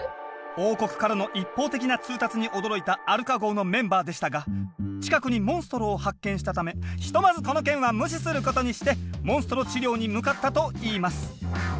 王国からの一方的な通達に驚いたアルカ号のメンバーでしたが近くにモンストロを発見したためひとまずこの件は無視することにしてモンストロ治療に向かったといいます。